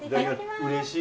うれしい！